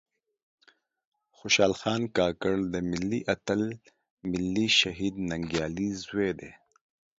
خوشال خان کاکړ د ملي آتل ملي شهيد ننګيالي ﺯوې دې